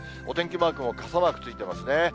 お天気マークも傘マークついていますね。